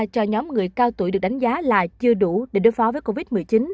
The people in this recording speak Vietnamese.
cho nhóm người cao tuổi được đánh giá là chưa đủ để đối phó với covid một mươi chín